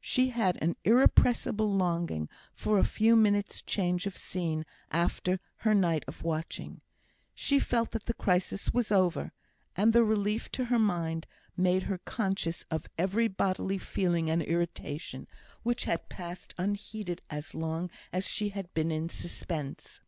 She had an irrepressible longing for a few minutes' change of scene after her night of watching. She felt that the crisis was over; and the relief to her mind made her conscious of every bodily feeling and irritation, which had passed unheeded as long as she had been in suspense.